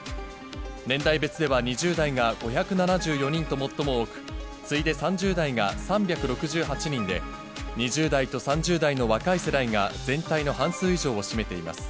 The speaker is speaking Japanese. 年代別では２０代が５７４人と最も多く、次いで３０代が３６８人で、２０代と３０代の若い世代が全体の半数以上を占めています。